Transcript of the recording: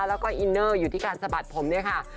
แล้วก็อินเนอร์อยู่ที่การสะบัดผมเนี่ยค่ะ